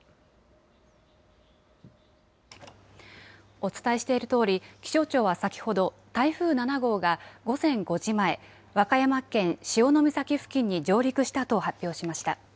お伝えしているとおり、気象庁は先ほど台風７号が午前５時前和歌山県潮岬付近に上陸したと発表しました。